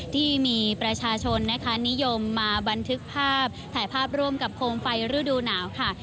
ที่มีประชาชนนะคะนิยมมาบันทึกภาพถ่ายภาพร่วมกับโคมไฟฤดูหนาวค่ะ